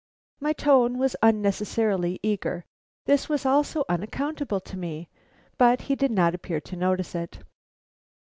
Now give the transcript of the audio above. My tone was unnecessarily eager, this was all so unaccountable to me; but he did not appear to notice it.